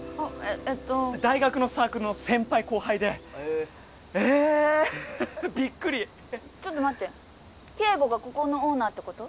えっと大学のサークルの先輩後輩でへえええびっくりちょっと待って圭吾がここのオーナーってこと？